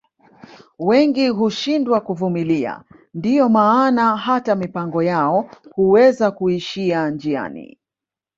Wengi hushindwa kuvumilia ndio maana hata mipango yao Huweza kuishia njiani